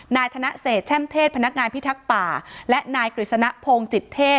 นายธนเศษแช่มเทศพนักงานพิทักษ์ป่าและนายกฤษณพงศ์จิตเทศ